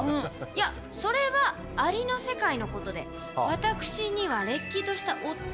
いやそれはアリの世界のことで私にはれっきとした夫がおる。